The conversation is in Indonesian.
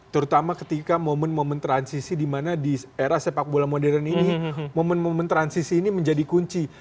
terutama ketika momen momen transisi di mana di era sepak bola modern ini momen momen transisi ini menjadi kunci